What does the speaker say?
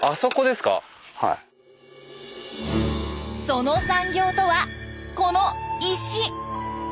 その産業とはこの石。